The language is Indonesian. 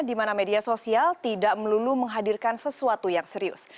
di mana media sosial tidak melulu menghadirkan sesuatu yang serius